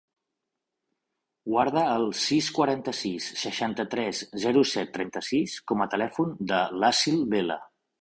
Guarda el sis, quaranta-sis, seixanta-tres, zero, set, trenta-sis com a telèfon de l'Assil Vela.